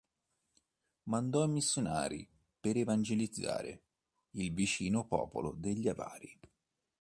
Mandò missionari per evangelizzare il vicino popolo degli Avari.